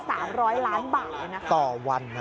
สามร้อยล้านบาทต่อวันนะ